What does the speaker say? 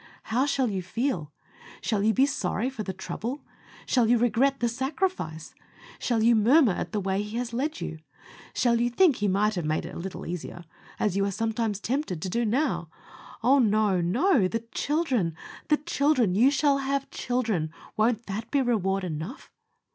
How shall you feel? Shall you be sorry for the trouble? Shall you regret the sacrifice? Shall you murmur at the way He has led you? Shall you think He might have made it a little easier, as you are sometimes tempted to do now? Oh! no, no! THE CHILDREN! THE CHILDREN! you shall have children! Won't that be reward enough?